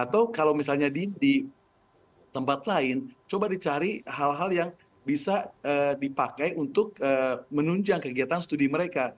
atau kalau misalnya di tempat lain coba dicari hal hal yang bisa dipakai untuk menunjang kegiatan studi mereka